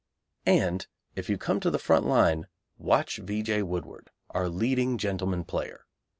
And if you come to the front line watch V. J. Woodward, our leading gentleman player.